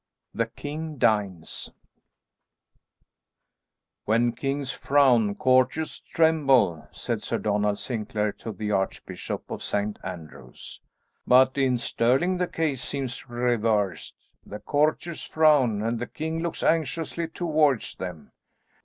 THE KING DINES "When kings frown, courtiers tremble," said Sir Donald Sinclair to the Archbishop of St. Andrews, "but in Stirling the case seems reversed. The courtiers frown, and the king looks anxiously towards them."